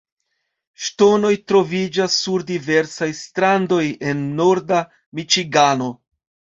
Ŝtonoj troviĝas sur diversaj strandoj en norda Miĉigano.